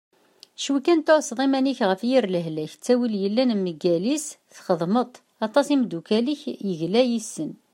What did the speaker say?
Cwi kan tεusseḍ iman-ik ɣef yir lehlak, ttawil yellan mgal-is txedmeḍ-t, aṭas imeddukal-ik yes-s yegla.